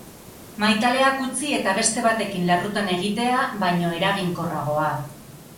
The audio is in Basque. Maitaleak utzi eta beste batekin larrutan egitea baino eraginkorragoa.